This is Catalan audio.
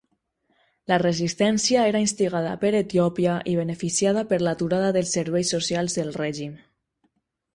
La resistència era instigada per Etiòpia i beneficiada per l'aturada dels serveis socials del règim.